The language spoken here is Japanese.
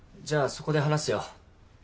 じゃあそこで話すよ。